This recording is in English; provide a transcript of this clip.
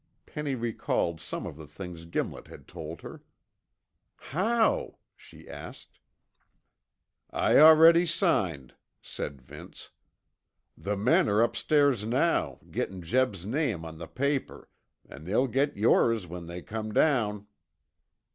Penny recalled some of the things Gimlet had told her. "How?" she asked. "I already signed," said Vince. "The men 're upstairs now, gettin' Jeb's name on the paper, an' they'll get yours when they come down."